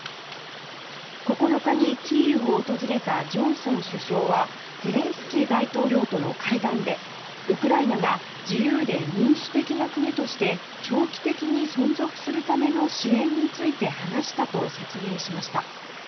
９日にキーウを訪れたジョンソン首相はゼレンスキー大統領との会談でウクライナが自由で民主的な国として長期的に存続するための支援について話したと説明しました。